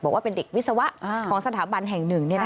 บอกว่าเป็นเด็กวิศวะของสถาบันแห่งหนึ่ง